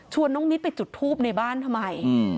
น้องนิดไปจุดทูบในบ้านทำไม